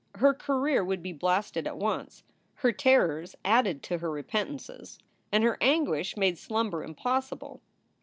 Her career would be blasted at once. Her terrors added to her repentances and her anguish made slumber impossible.